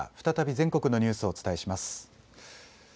再び全国のニュースをお伝えします。